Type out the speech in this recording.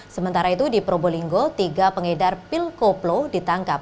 sementara itu di probolinggo tiga pengedar pilkoplo ditangkap